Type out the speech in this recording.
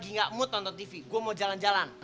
gue lagi gak mood nonton tv gue mau jalan jalan